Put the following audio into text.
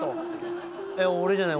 えっ俺じゃない。